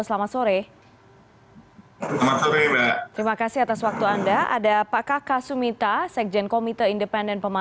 selamat sore mas kaka